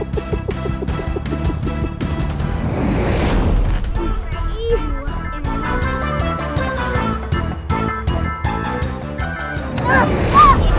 pak hasi kasih atas